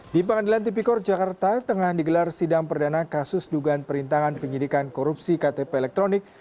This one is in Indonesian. di pengadilan tipikor jakarta tengah digelar sidang perdana kasus dugaan perintangan penyidikan korupsi ktp elektronik